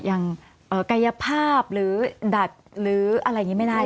อย่างกายภาพหรือดัดหรืออะไรอย่างนี้ไม่ได้